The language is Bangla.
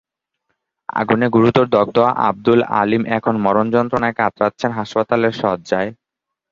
আগুনে গুরুতর দগ্ধ আবদুল আলিম এখন মরণ যন্ত্রণায় কাতরাচ্ছেন হাসপাতালের শয্যায়।